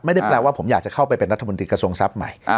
ไม่ได้แปลว่าผมอยากจะเข้าไปเป็นรัฐมนตรีกระทรวงทรัพย์ใหม่